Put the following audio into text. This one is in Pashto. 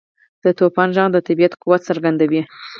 • د توپان ږغ د طبیعت قوت څرګندوي.